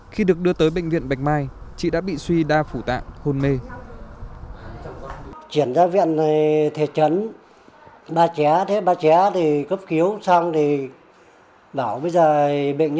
khi được đưa tới bệnh viện bạch mai chị đã bị suy đa phủ tạng hôn mê